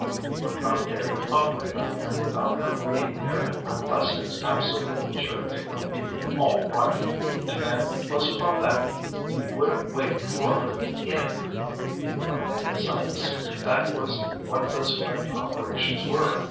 He would not dare to operate on him without her being there unless he was absolutely sure it would be all right. And then close upon that he would have waited for her if Appendicitis that was what those quick operations were.